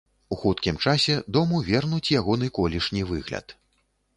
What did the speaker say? У хуткім часе дому вернуць ягоны колішні выгляд.